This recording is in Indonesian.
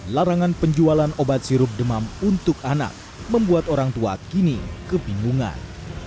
larangan penjualan obat sirup demam untuk anak membuat orang tua kini kebingungan